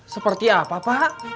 seperti apa pak